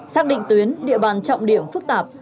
xác định tuyến địa bàn trọng điểm phức tạp